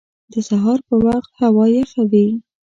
د سهار په وخت هوا یخه وي